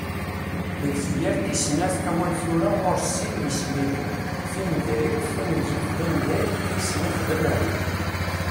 Deg tefyirt tis snat, awal "tura" ɣur-s sin yismilen: Timeḍriwt tamenzut d amyag, tis snat d amernu.